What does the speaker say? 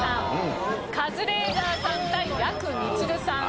カズレーザーさん